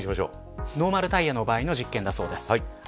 ノーマルタイヤの場合の実験だそうです。